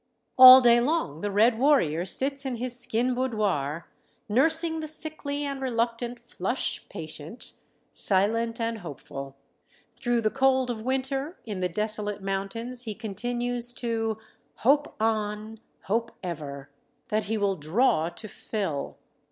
All day long the red warrior sits in his skin boudoir, nursing the sickly and reluctant "flush," patient, silent and hopeful. Through the cold of winter in the desolate mountains, he continues to "Hope on, hope ever," that he will "draw to fill."